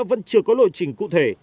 vẫn chưa có lộ trình cụ thể